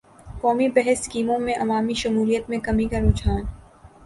قومی بچت اسکیموں میں عوامی شمولیت میں کمی کا رحجان